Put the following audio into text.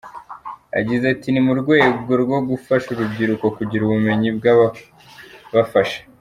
Yagize ati “Ni mu rwego rwo gufasha urubyiruko kugira ubumenyi bwabafasha.